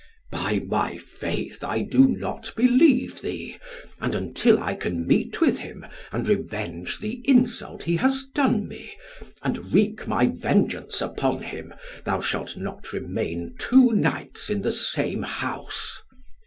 "By my faith, I do not believe thee; and until I can meet with him, and revenge the insult he has done me, and wreak my vengeance upon him, thou shalt not remain two nights in the same house."